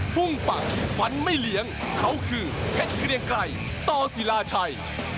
พุ่งปักฟันไม่เลี้ยงเขาคือเพชรเกรียงไกรต่อศิลาชัย